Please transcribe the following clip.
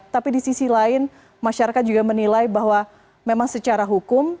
tapi di sisi lain masyarakat juga menilai bahwa memang secara hukum